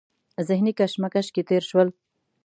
ذهني کشمکش کې تېر شول.